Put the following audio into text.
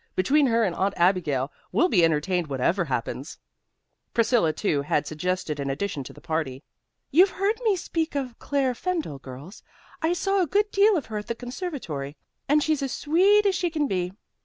Between her and Aunt Abigail we'll be entertained whatever happens." Priscilla, too, had suggested an addition to the party. "You've heard me speak of Claire Fendall, girls. I saw a good deal of her at the conservatory, and she's as sweet as she can be.